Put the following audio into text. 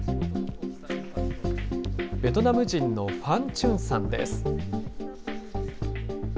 ベトナム人のファン・チュンさんです。